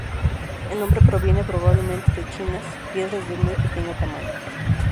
El nombre proviene probablemente de "chinas", piedras de muy pequeño tamaño.